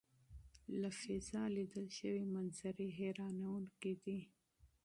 له فضا لیدل شوي منظرې حیرانوونکې دي.